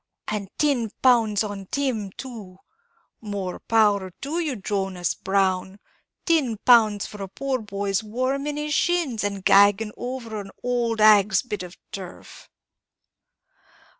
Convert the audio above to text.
and tin pounds on Tim too! More power to you, Jonas Brown; tin pounds for a poor boy's warming his shins, and gagging over an owld hag's bit of turf!"